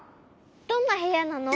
どんなへやなの？